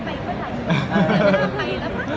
มีโครงการทุกทีใช่ไหม